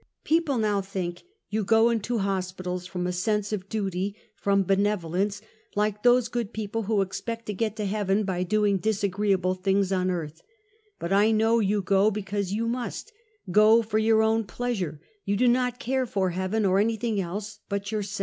People now think you go into hospitals from a sense of duty ; from benevolence, like those good people who expect to get to heaven by doing disagreeable things on earth; but I know you go because you must; go for your own pleasure; you do not care for heaven or ianything else, but yourself."